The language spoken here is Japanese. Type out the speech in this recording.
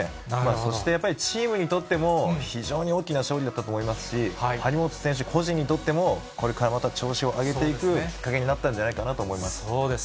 そして、やっぱりチームにとっても非常に大きな勝利だったと思いますし、張本選手個人にとっても、これからまた調子を上げていくきっかけになったんじゃないかなとそうです。